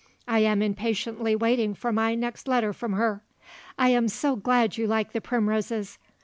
I am impatiently waiting for my next letter from her. I am so glad you like the primroses.